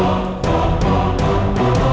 woi jangan lari